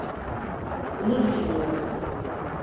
Bunu düşünüyorum.